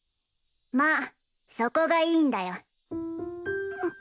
まあそこがいいんだよ。